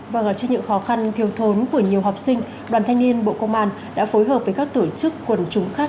vâng ở trên những khó khăn thiêu thốn của nhiều học sinh đoàn thanh niên bộ công an đã phối hợp với các tổ chức quần chúng khác